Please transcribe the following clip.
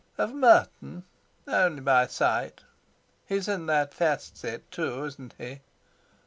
"Of Merton? Only by sight. He's in that fast set too, isn't he?